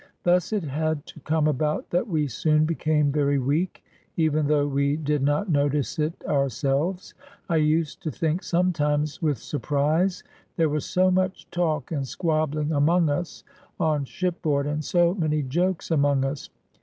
Thus it had to come about that we soon became very weak, even though we did not notice it ourselves. I used to think sometimes with surprise, "There was so much talk and squabbling among us on shipboard, and so many jokes among us!